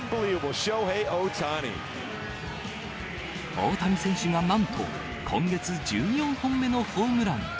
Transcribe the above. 大谷選手がなんと、今月１４本目のホームラン。